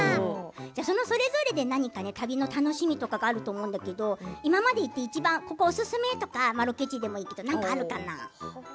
それぞれで旅の楽しみとかあると思うけど今まで行ってここがおすすめとかロケ地でもいいけど何かあるかな。